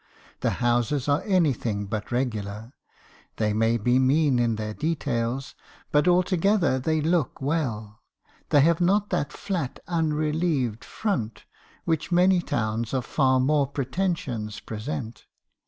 The houses are anything but re gular; they may be mean in their details; but altogether they look well ; they have not that flat unrelieved front, which many towns of far more pretensions present.